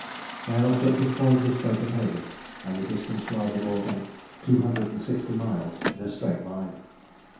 Their objective point was Copenhagen, and the distance rather more than two hundred and sixty miles in a straight line.